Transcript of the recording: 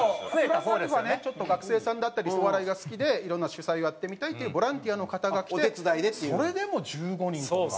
プラスアルファねちょっと学生さんだったりお笑いが好きでいろんな主催をやってみたいっていうボランティアの方が来てそれでも１５人とか。